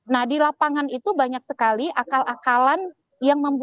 nah di lapangan itu banyak sekali akal akalan yang membuat